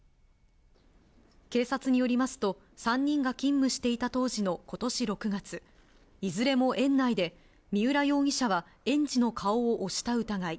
警察によりますと、３人が勤務していた当時のことし６月、いずれも園内で、三浦容疑者は園児の顔を押した疑い。